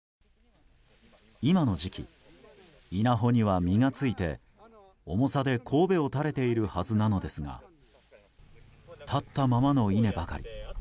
今の時期、稲穂には実がついて重さで、こうべを垂れているはずなのですが立ったままの稲ばかり。